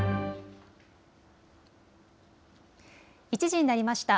１時になりました。